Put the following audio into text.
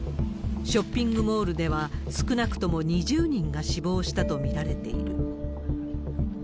ショッピングモールでは、少なくとも２０人が死亡したと見られている。